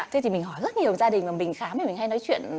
thế thì mình hỏi rất nhiều gia đình mà mình khám thì mình hay nói chuyện